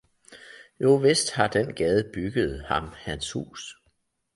Jo vist har den gade bygget ham hans hus